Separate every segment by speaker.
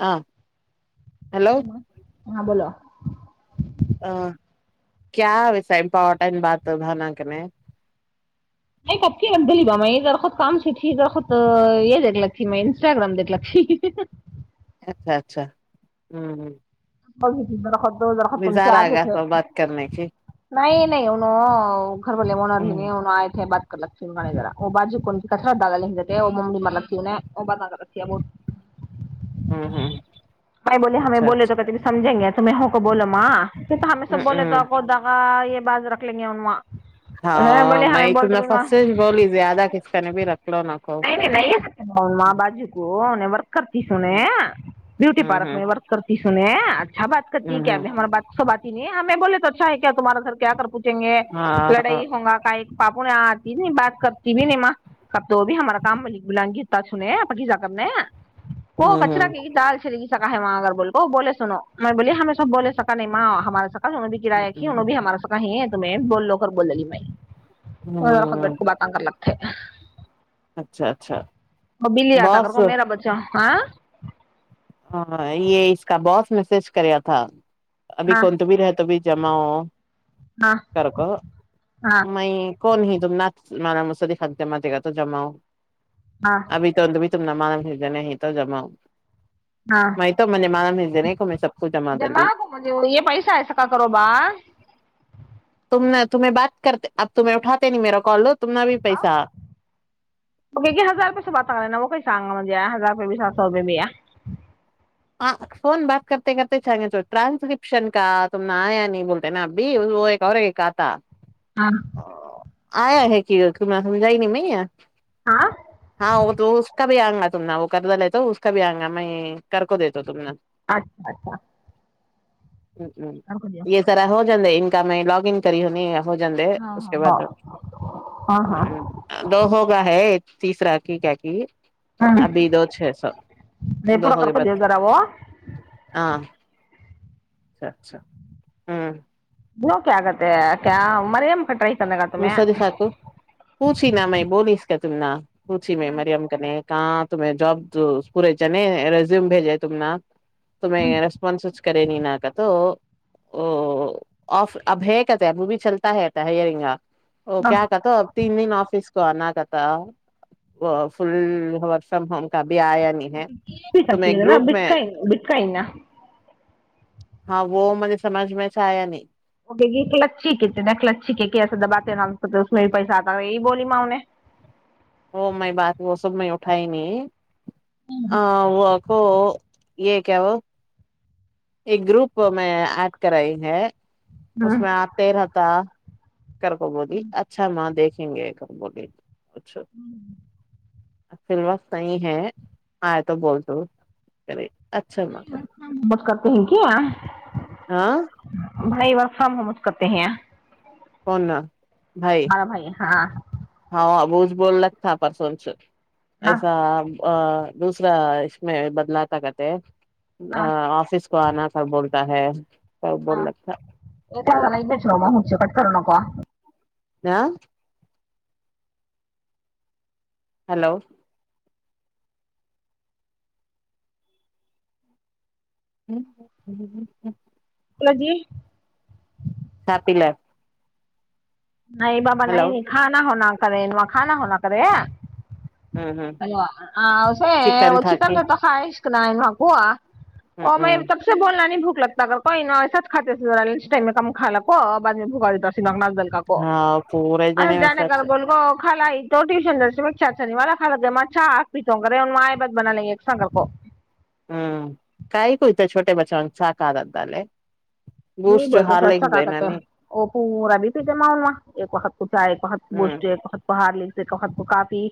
Speaker 1: ہاں ہیلو
Speaker 2: [inaudible] ہاں بولو
Speaker 1: کیا ویسا امپورٹینٹ بات بانک نے
Speaker 2: نہیں کب کی رکھ دلی با میں یہ درخت کام س تھی درخت یہ دیک لگتیھی میں انسٹاگرام دیکھ لگتی
Speaker 1: اچھا اچھا ہمم ممم
Speaker 2: [inaudible]
Speaker 1: نظارہ آ گیا سب بات کرنے کی
Speaker 2: نہیں نہیں ہو ن [unintelligible] ھر والے
Speaker 1: ہوں
Speaker 2: ان آئے تھے ب کرکتیر وہ بج کون کچرا دادا لتے وہ ممی مرلتی وہ بات کر ر بت
Speaker 1: ہوں ہوں
Speaker 2: بائی بولے ہمیں
Speaker 1: اچھا
Speaker 2: بولے تو
Speaker 1: اچھا
Speaker 2: پت [unintelligible] سمھیں گے تمہیں ہووں کو بولو ماں پ تو ہمیں
Speaker 1: ہوں
Speaker 2: سب بولے
Speaker 1: ہوں
Speaker 2: تو کوگا یہ باز رکھ لیںے انا [unintelligible]
Speaker 1: ہاں میں ت نے فس سے بولی زیادہ کسک نے بھی رکھ [unintelligible] کو
Speaker 2: نہیں نہیں نہیں بازو کو وکرتی سوںنے
Speaker 1: ہوں
Speaker 2: بوٹی
Speaker 1: ہوں
Speaker 2: پارک میں وور کررتی سوں ن [unintelligible] ا بات کرتی ہے کیا
Speaker 1: ہوں
Speaker 2: اب ہمار بات س بات [unintelligible] ہمیں بول تو اچھا ہے کیا تمہارا گھر کیا کرچ گے
Speaker 1: ہاں
Speaker 2: لڑائی ہوں گا کا پاپو نے آتی نہیں بات کرتی بھی نہیں ماں ک تو [unintelligible] اب ہمارا کام مل بلن گیتا سنے پقجا کرنے وہ کچرا
Speaker 1: ہوں
Speaker 2: کی گ دال چلے گی سا ہے وہاں اگر بول کو بولے سنو میں بولی ہمیں سب بولے سکا نہیں ماں ہمارے س انہوں بھی کرایہ کیھی انہوں بھی ہمارا س کہیں ہے تمہیں ب لو کر بول لگی [unintelligible] اور خ گٹ
Speaker 1: ہوں
Speaker 2: کو باتان کر لگتے ہیں [unintelligible]
Speaker 1: اچھا اچھا
Speaker 2: وہ بلی آتا کر
Speaker 1: بس
Speaker 2: کو میرا بچہ ہاں [unintelligible]
Speaker 1: ہاں یہ اس کا باس میسج کریا تھا ابھی
Speaker 2: ہاں
Speaker 1: کون تو بھی رہ تو بھی [unintelligible] جما ہو [unintelligible]
Speaker 2: ہاں
Speaker 1: کرک
Speaker 2: ہاں
Speaker 1: میں [unintelligible] کون ہی ت نہ مارا مسدی خانتے ماتے کا تو جمؤ [unintelligible]
Speaker 2: ہاں
Speaker 1: ابھی تو تو بھی [unintelligible] تم نہ مانم جنے نہیں تو جماؤ [unintelligible]
Speaker 2: ہاں
Speaker 1: میں تو میں نے مالا بھیجنے کو میں سب کو جمع
Speaker 2: جم
Speaker 1: ڈلی
Speaker 2: گ مے یہ پیس ہےسا کا کرو با [unintelligible]
Speaker 1: تم نے تمہیں بات کرتے اب تمہیں اھاتے نہیں میرا کالوگ [unintelligible]
Speaker 2: ہاں وہے ہزاروپی سے بات کرے نا وہ کہ ساہ گا م [unintelligible] ہزار روپئے بھی سات سو روپئے بھییا [unintelligible]
Speaker 1: ہاں فون بات کرتے کرتے چھے ٹرانسکرپشن کا تم نہ آیا نہیں بولتے نا اب بھی وہ ایک اور ایک آتا [unintelligible]
Speaker 2: ہاں [unintelligible]
Speaker 1: آیا ہے کہ جائ نہیں میں [unintelligible]
Speaker 2: ہاں
Speaker 1: ہاں دو [unintelligible] بھی آئں گا تم نہ وہ کردا لے تو اس کا بھی آں گا میں [unintelligible] کر کو دیے تو ت [unintelligible]
Speaker 2: اچھا اچھا [unintelligible]
Speaker 1: ہ ہ
Speaker 2: ہاں
Speaker 1: یہ سرح ہو [unintelligible] ہے ان کام میں لاگن کری ہونی ہو جندے اس کے بعد ہ
Speaker 2: ہاں ہاں
Speaker 1: دو ہوگا ہے تیسرا کی کیا کہ
Speaker 2: ہوں
Speaker 1: آب دو چ سب اد ہو گے ب
Speaker 2: کررا وہو [unintelligible]
Speaker 1: اچھا اچھا ہوں [unintelligible]
Speaker 2: دوک آگت کیا مرم کٹر
Speaker 1: م سری سااکر پوچھی ن میں بولیس [unintelligible] تمنا [unintelligible] پوچی میں مریم کنے [unintelligible] کااں تمیں جب پور نہیں ریزوم بھیج ہے تم [unintelligible] تو میںیں ریسپونسچ کرے نہیں ن کر تو [unintelligible] او آف اب ہے کہتے اب وہ بھی چلتا ہےتا ہئرنگا [unintelligible] ا کیا کہتا اب تین دن آفس کو آنا [unintelligible] ہم [unintelligible]
Speaker 2: یہ بھی سب چیز نا
Speaker 1: میں
Speaker 2: بتک بک نا [unintelligible]
Speaker 1: ہاں وہ مجھے سمجھ میں سے آیا نہیں [unintelligible]
Speaker 2: ل اچھیلھییک ہے ایسا دباتے نا اس میں بھی پیسہ آتا یہی بولی ما ان نے [unintelligible]
Speaker 1: وہ میں بات وہ سب میں اٹھاائی نہیں [unintelligible] آ وہ [unintelligible] ہو یہ کیا وہ [unintelligible] گروپ میں اج کرائی ہے اس
Speaker 2: ہوں
Speaker 1: میں آتے رہتا [unintelligible] کرک بہی اچھا م دیکھ [unintelligible] شگ کر بلیے [unintelligible] اچھا [unintelligible] فلوس نہیںحی ہے آئے تو بول توے [unintelligible]
Speaker 2: بس کرتے ہیں کیا
Speaker 1: ہاں
Speaker 2: بھائی بس [unintelligible] ہم ہم اس کرتے ہیں [unintelligible]
Speaker 1: کونا [unintelligible] بھائی
Speaker 2: ہمارا ہاں
Speaker 1: ہاں ب [unintelligible] بول ل تھا پرسوںنچ [unintelligible]
Speaker 2: ہاں
Speaker 1: ایسا [unintelligible] آ دوسرا اش میں بدلہاتاتکتے
Speaker 2: ہاں
Speaker 1: [unintelligible] آفس [unintelligible] کو آنا تھا بولتا ہے [unintelligible]
Speaker 2: ہاں
Speaker 1: رکھا
Speaker 2: یہ تو ل جا ہ چ ک [unintelligible] کرنا کا [inaudible]
Speaker 1: نہ [inaudible] ہلو [unintelligible] ہ ہ ہ ہ [inaudible]
Speaker 2: ہ جی [unintelligible]
Speaker 1: ساپ ل [unintelligible]
Speaker 2: نہیں بابا نہیں نہیں کھانا ہونا [unintelligible] کریں م کانا ہونا کرے
Speaker 1: ہوں ہوں
Speaker 2: [unintelligible] ہیلو س وہ چکن ر تو خائے [unintelligible] نن مگوا [inaudible]
Speaker 1: ہ
Speaker 2: اور میں تب سے بولنا نہیں بھک [unintelligible] لگتا کر کوئی ن ایسا کھےا لنچ ٹم میں کم کاو اورعد میں بوکا دیتا [unintelligible] جے
Speaker 1: ہاں پورے جنے ویسا
Speaker 2: کر بول گو کال [unintelligible] تو ٹیوشن دھا نہیں والا خالاچھا آپیت ہوں کرے مایا بت بنا لیں گے ایکسن کو [unintelligible]
Speaker 1: ہوں کئی کوئی تو چھوٹے بچا چ ک آ رہاتالے [unintelligible]
Speaker 2: نہیں بولتے سوچھا کا کاتے وہ پورا بھی پتے ماون میںا ایک وقت کو چاہ ایک وقت گوش
Speaker 1: ہوں
Speaker 2: ایک وقت پہار لی [unintelligible] کہ خت تو کافی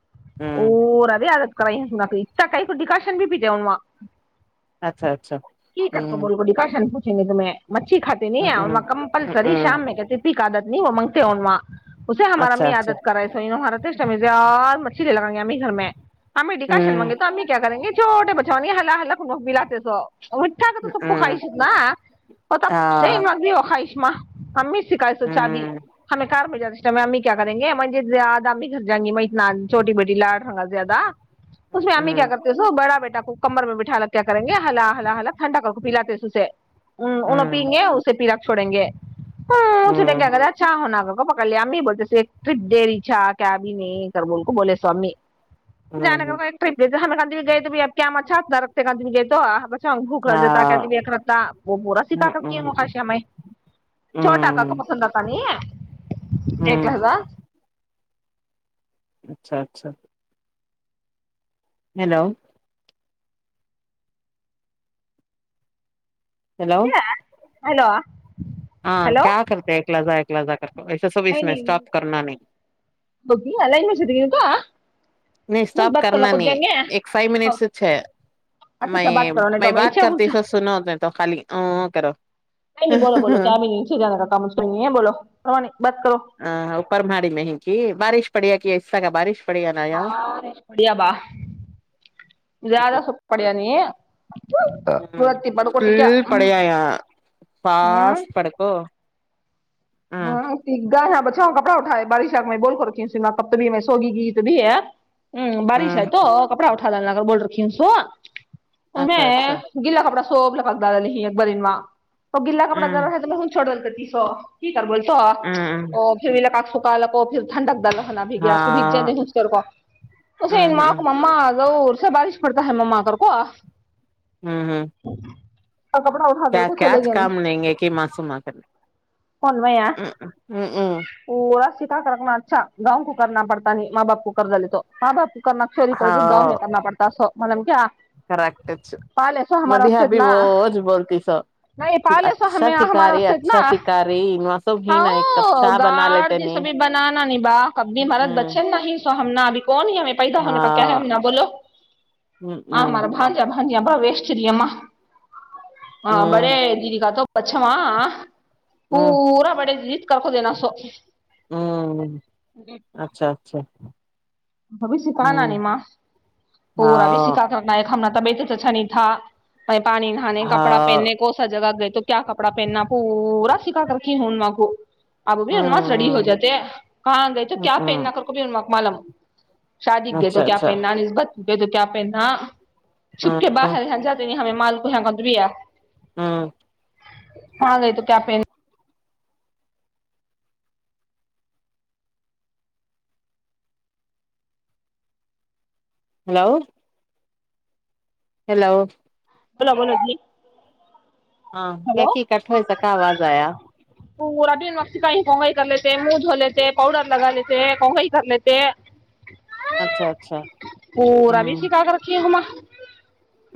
Speaker 2: [unintelligible]
Speaker 1: ہوں
Speaker 2: اووردے آگ [unintelligible] نا اتنا کا پر ڈیکاشن بھیتے اناں
Speaker 1: اچھا اچھا
Speaker 2: [unintelligible] کی کرتا
Speaker 1: ہوں
Speaker 2: بول گو ڈکاشن [unintelligible] ہ [inaudible] ہم میں [unintelligible] مچھی کاتی
Speaker 1: ہ
Speaker 2: نہیں
Speaker 1: ہ
Speaker 2: کمپلسری
Speaker 1: ہ
Speaker 2: شام میں کہ ت ت کاادت [unintelligible] نہیں منتی اونما [unintelligible] اسے ہمارا م
Speaker 1: اچھا
Speaker 2: ع
Speaker 1: اچھا
Speaker 2: آادت کرا سوار [unintelligible] چھے لگیں گے ہمیں گھر میں [unintelligible] امی ڈکاشن
Speaker 1: ہ
Speaker 2: مگے تو ہممی کیا کر گ چھوے بچے [unintelligible] چنی حلہ حلک نبلا ت سو [unintelligible] مٹگ تو سوپ
Speaker 1: ہ
Speaker 2: کائسد نا [unintelligible] [inaudible]
Speaker 1: ہاں
Speaker 2: امت [unintelligible] شکایت چادی ہمیں کار میں جاتی اس امی کیا کریں گے مجھے زیادہ امی گھر جیں گی میں اتنا چھوٹی بیٹی لاڈ ہوگا زیادہ اس میں
Speaker 1: ہ
Speaker 2: امی
Speaker 1: ہ
Speaker 2: کیا کرتے ہیں اس بڑا بیٹا کو کمر میں بٹھ لا کیا کریں گے ہلا ہلا ہلا ٹھنڈا کر پیلاے اسے [inaudible] چھوڑیں گے [inaudible] کرے امی بولتے تھ ک دریھا کیاب بھی نہیں کر بول کو بولے سو امی جان کا کوٹ [inaudible] سنگ بوکلا جتا
Speaker 1: ہاں
Speaker 2: کہ ا رتا وہ بورا س کا
Speaker 1: ہ
Speaker 2: کا کی مکش میں
Speaker 1: ہ
Speaker 2: چھوٹا کا کا پسند آ تھا نہیں
Speaker 1: ہ
Speaker 2: ایکلازا
Speaker 1: اچھا اچھا ہیلو ہیلو
Speaker 2: ہیلو
Speaker 1: ہاں کیا کررتے [inaudible] [inaudible]
Speaker 2: بک لن وچک کاا
Speaker 1: نہیں اسٹاپ کرنا نہیں ایک فائیو منٹ اچھے میں میں بات کرتی س سناو تو خالی اوو کرو
Speaker 2: نہیں نہیں بولو بولو کیا
Speaker 1: ہ
Speaker 2: بھی نہیںے جا کاا کم کو نہیں بولو بات کر
Speaker 1: [inaudible] پڑیا کہ اسسہ کا بارش پڑیا نا یہاں
Speaker 2: بڑھیا با زیادہ سکھ پڑھیا نہیں ہے
Speaker 1: [inaudible]
Speaker 2: [inaudible]
Speaker 1: ہ
Speaker 2: کپڑا اٹھائے بارش آ میں بول کر رکھی سما کب ت بھی میں سوگی کی تو بھی ہے ہاں
Speaker 1: ہ
Speaker 2: بارش ہے تو کپڑا گر بول رک
Speaker 1: اچھا
Speaker 2: انیں
Speaker 1: اچھا
Speaker 2: گیلا کپڑا سوپلہ پتااد ال اکبرینما وہ گ بلا کپڑا
Speaker 1: ہ
Speaker 2: جور ہے تو بس چھوولتا ت [unintelligible] سر بول تو
Speaker 1: ہوں
Speaker 2: ا پولا کا سکاالکو پھر ٹھڈک دلو ہےناا بھی گیا س بھیگ جے
Speaker 1: ہاں
Speaker 2: گسک کو اس
Speaker 1: ہوں
Speaker 2: ان ماں
Speaker 1: ہوں
Speaker 2: کو مما ا سے بارش پڑتا ہے ما آ کر کو
Speaker 1: ہوں ہوں
Speaker 2: کپڑا اٹھا
Speaker 1: کیا
Speaker 2: دل کو
Speaker 1: کیاچ
Speaker 2: چلے گئے
Speaker 1: کام نہیںیں گے ک ہی معسوںم کر ا ہ ا
Speaker 2: ولا سھا کر رکھنا اچھا گاؤ کو کرنا پڑتا نہیں ماں باپ کو کرض دی تو ماں باپ کو کرنا چریتر گاؤں میں کرنا پڑتا سو مطب [unintelligible]
Speaker 1: کریکٹچ مد
Speaker 2: ہمارا واسطے
Speaker 1: ابھی
Speaker 2: اتنا
Speaker 1: بوج بولتی سو
Speaker 2: نہیں پالے
Speaker 1: اچھا سکھا رہی اچھا سکھا رہی انوا سب ہی نا ایک کپ
Speaker 2: ہاں
Speaker 1: چاہ بنا
Speaker 2: گڑ
Speaker 1: لیتے
Speaker 2: ج س
Speaker 1: نہیں
Speaker 2: بھی بنانا نہیں با کب بھی مارت
Speaker 1: ہ
Speaker 2: بچے نہیں ہمنا ابھی کو نہیں ہمیں پیدا ہونے کا کیا ہے
Speaker 1: ہاں
Speaker 2: ہم نہ بولو ہاں
Speaker 1: ہ
Speaker 2: ہمارا بان ج ہاں جی باویشتری اما ہاں
Speaker 1: ہ
Speaker 2: بڑے دیدی کااتات پچاماں
Speaker 1: ہ
Speaker 2: پورورا پڑے جت کررک د نا سو
Speaker 1: ہ اچھا اچھا
Speaker 2: اب بھی سکھا
Speaker 1: ہ
Speaker 2: نہیں ماں پورا بھی
Speaker 1: ہاں
Speaker 2: سکھا کرنا ہے ک ہم سبت سچا نہیں تھا وہ پانی نہھانے کپڑا
Speaker 1: ہاں
Speaker 2: پہننے کون سا جگہ گئے تو کیا کپڑا پہننا پورا سکا کر کے ہون وگو اب اب
Speaker 1: ہ
Speaker 2: بھی انواس ریڈی ہو جاتے ہیں کہاں گئے تو
Speaker 1: ہ
Speaker 2: کیا
Speaker 1: ہ
Speaker 2: پہننا کر کوب انا مالا شادیق گئے تو
Speaker 1: اچھا
Speaker 2: کیا پ
Speaker 1: اچھا
Speaker 2: نان نسبت گئے تو کیا ا پینا چھپ کے
Speaker 1: ہ
Speaker 2: باہر جاتے نہیں ہمیں مال پ کند بھی ہے
Speaker 1: ہاں
Speaker 2: ہاں گئی تو کیا پہن
Speaker 1: ہیلو ہیلو
Speaker 2: بلاامو ند
Speaker 1: ہاں کیا کہ کٹ ہوئے سکا آواز آیا
Speaker 2: روین وقت کا ہی کگائی کر لیتے منہ دھو لیتے پاؤڈر لگا لیتے کگائی کر لیتے
Speaker 1: اچھا اچھا
Speaker 2: پورا بھی
Speaker 1: ہوں
Speaker 2: سکا کر رکھی ہوا [inaudible]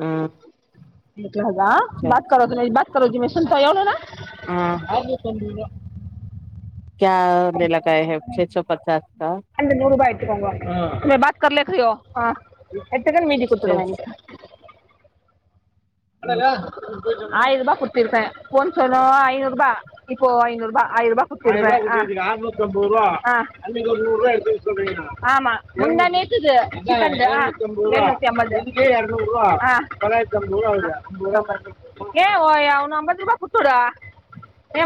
Speaker 1: ہوں
Speaker 2: جی [inaudible] ہوگا
Speaker 1: اچھا
Speaker 2: بات
Speaker 1: اچھا
Speaker 2: کرو ت نہیں بات [inaudible] جی میں [inaudible] س
Speaker 1: ہاں
Speaker 2: نا [inaudible]
Speaker 1: کیا مے لگئے ہے چھ سو پچاس کا [inaudible]
Speaker 2: اج ن روپ آکوں گ بات کرر ل کو ہاں [inaudible] ات کن میید کتروا گ [inaudible] آلہا [inaudible] آر رو کتیرک فن سو رو ر رو کتی ر ن [inaudible] ون امت روپ کتیڈا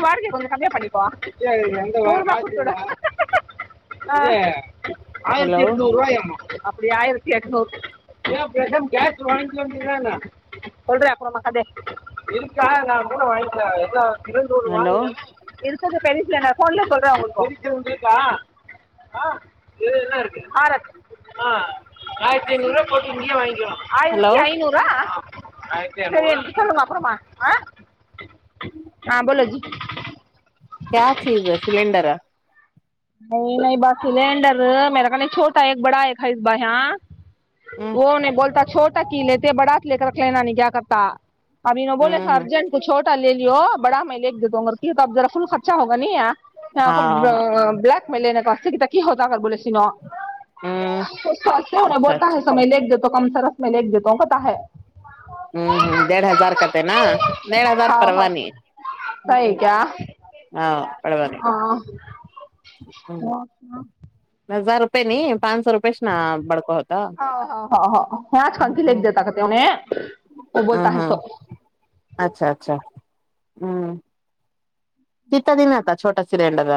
Speaker 2: وارک کممیں پنا [inaudible] آئیرتی
Speaker 1: ہلو
Speaker 2: اٹ ن روائ آام [inaudible] ابڑ آئیرتی اٹ نورم گس وگا [inaudible] سلی اپر م کادے انکا ن مور [inaudible]
Speaker 1: ہلو
Speaker 2: مولو اک تو کری [inaudible] نا سل سول رہے ا کش کاا ہ ہار [inaudible] ہاں آئیرت رو پٹ اننے برا
Speaker 1: ہلو
Speaker 2: آئیرتی ا نورا [inaudible] چل اپر [inaudible]
Speaker 1: کیا چیز ہے سلینڈر ہے [inaudible]
Speaker 2: نہیں نہیں بس سلینڈر میرا کل چھوٹا ایک بڑا ایک اس ب یہاں [inaudible]
Speaker 1: ہوں
Speaker 2: وہ نے بولتا چھوٹ [inaudible] ت کی لیتے بڑا سے لے کر رکھ لینا نہیں کیا کرتا [inaudible] ابھیو بولےا
Speaker 1: ہوں
Speaker 2: ارجنٹ کوھوٹا لے [inaudible] بڑا میں لیک دیتاوں گگر کی توب ذرا فل خرچہ ہوگایاں [inaudible] س آ کو
Speaker 1: ہاں ہاں
Speaker 2: [inaudible] کاا س سے ک کیاا س ہزا کر بول س ن
Speaker 1: ہوں
Speaker 2: [inaudible] کچ ستے ہونے
Speaker 1: اچھا
Speaker 2: بولتا ہے
Speaker 1: اچھا
Speaker 2: سمے دیکھ د تو کم س ر [inaudible] میں ل ایک دیتا ہوں کاتا ہے [inaudible]
Speaker 1: ہوں ہ دھ ہزار کتے نا دڑ ہزار
Speaker 2: ہاؤ ہاؤ
Speaker 1: پوانی ہ ہ
Speaker 2: صحیح کیا
Speaker 1: ہاں پوانی [unintelligible]
Speaker 2: آ [inaudible]
Speaker 1: پ نہیں [inaudible] پانچ سو روپی سے نا بڑکا ہوتا
Speaker 2: ہاں ہاں ہاں آج کل کی
Speaker 1: ہ
Speaker 2: لے دیتا کہتے انہیں وہ
Speaker 1: ہ
Speaker 2: بولتا ہے
Speaker 1: ہاں
Speaker 2: سو
Speaker 1: اچھا اچھا [unintelligible] ہوں کت دن آ تھا چھوٹا سلیڈر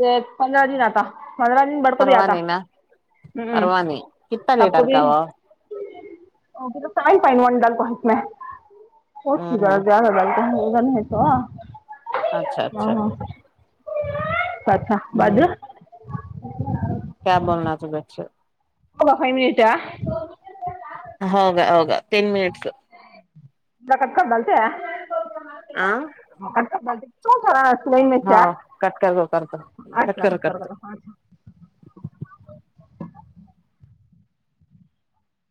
Speaker 2: یہ پندرہ دن آتا پندرہ دن بڑ کو بھی
Speaker 1: پروا
Speaker 2: آتا
Speaker 1: نہیں نا
Speaker 2: ہ
Speaker 1: پروا نہیں کتنا
Speaker 2: آب کو
Speaker 1: لیٹر کا
Speaker 2: بھیال
Speaker 1: وہ
Speaker 2: میں
Speaker 1: ہ
Speaker 2: ہوتی ب
Speaker 1: ہ
Speaker 2: ج رہا ب جان آئیتوا
Speaker 1: اچھا اچھا
Speaker 2: ج پھا
Speaker 1: ہوں
Speaker 2: بجر ہی
Speaker 1: کیا بولنا تھا بیچھ
Speaker 2: وہ بخائی منٹا [unintelligible]
Speaker 1: ہوگا ہوگا ٹین منٹس
Speaker 2: اللہ کتکنلتے
Speaker 1: ہاں
Speaker 2: ب تو خرا [unintelligible] وہ میں
Speaker 1: ہاں کٹ کر کو کر دو کٹ
Speaker 2: اچھا
Speaker 1: کر کر
Speaker 2: کچا